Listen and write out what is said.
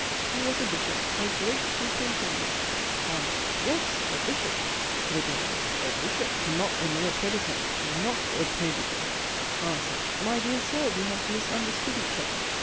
he was a bishop, a great superintendent. ANSWER. Yes! a bishop. THE DANE. A bishop not a mere predicant, not a prediger. ANSWER. My dear Sir! we have misunderstood each other.